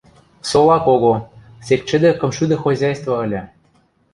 Сола кого, сек чӹдӹ кымшӱдӹ хозяйство ыльы.